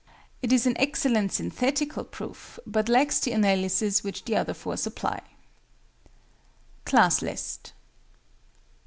It is an excellent synthetical proof, but lacks the analysis which the other four supply. CLASS LIST.